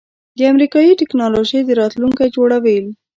د امریکایی ټیکنالوژۍ راتلونکی جوړول